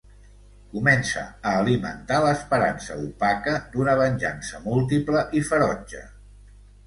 Comença a alimentar l'esperança opaca d'una venjança múltiple i ferotge.